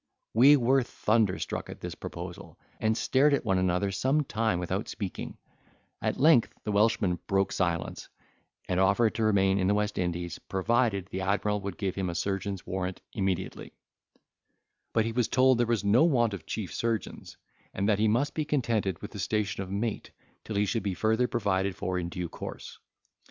We were thunderstruck at this proposal, and stared at one another some time without speaking; at length the Welshman broke silence, and offered to remain in the West Indies, provided the admiral would give him a surgeon's warrant immediately; but he was told there was no want of chief surgeons, and that he must be contented with the station of mate, till he should be further provided for in due course.